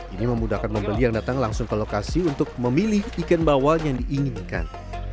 ini memudahkan pembeli yang datang langsung ke lokasi untuk memilih ikan bawal yang diinginkan